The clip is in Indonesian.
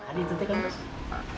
adi itu teh kan bos